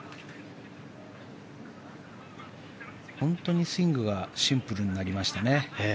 本当にスイングがシンプルになりましたね。